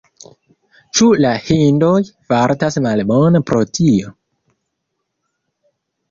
Ĉu la hindoj fartas malbone pro tio?